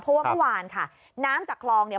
เพราะว่าเมื่อวานค่ะน้ำจากคลองเนี่ย